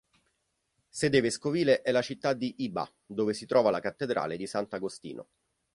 Sede vescovile è la città di Iba, dove si trova la cattedrale di Sant'Agostino.